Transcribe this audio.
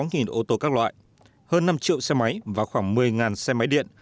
hơn năm trăm bốn mươi sáu ô tô các loại hơn năm triệu xe máy và khoảng một mươi xe máy điện